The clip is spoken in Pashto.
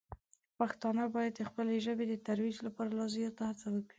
پښتانه باید د خپلې ژبې د ترویج لپاره لا زیاته هڅه وکړي.